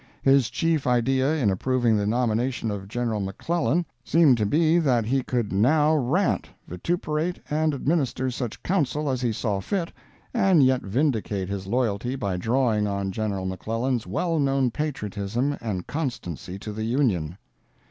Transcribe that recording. His chief idea in approving the nomination of General McClellan seemed to be that he could now rant, vituperate and administer such counsel as he saw fit, and yet vindicate his loyalty by drawing on General McClellan's well known patriotism and constancy to the Union.